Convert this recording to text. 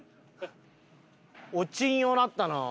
落ちんようなったな。